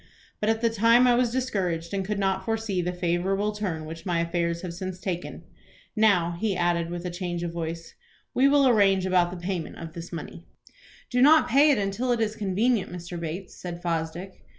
But at the time I was discouraged, and could not foresee the favorable turn which my affairs have since taken. Now," he added, with a change of voice, "we will arrange about the payment of this money." "Do not pay it until it is convenient, Mr. Bates," said Fosdick.